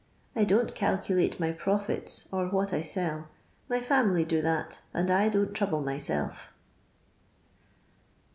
I don*t calculate my profits or what I sell. My family do that and I don't trouble my self."